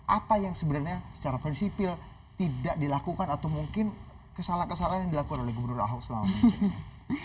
apa yang sebenarnya secara prinsipil tidak dilakukan atau mungkin kesalahan kesalahan yang dilakukan oleh gubernur ahok selama ini